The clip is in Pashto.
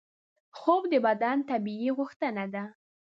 خوب د بدن طبیعي غوښتنه ده